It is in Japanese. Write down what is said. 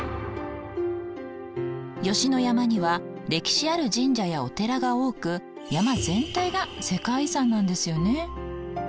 吉野山には歴史ある神社やお寺が多く山全体が世界遺産なんですよね。